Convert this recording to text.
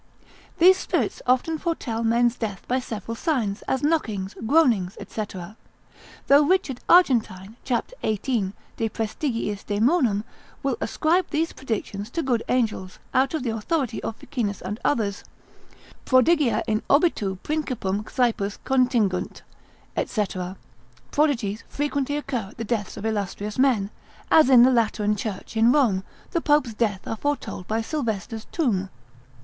These spirits often foretell men's deaths by several signs, as knocking, groanings, &c. though Rich. Argentine, c. 18. de praestigiis daemonum, will ascribe these predictions to good angels, out of the authority of Ficinus and others; prodigia in obitu principum saepius contingunt, &c. (prodigies frequently occur at the deaths of illustrious men), as in the Lateran church in Rome, the popes' deaths are foretold by Sylvester's tomb.